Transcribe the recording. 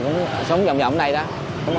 cũng sống vòng vòng đây đó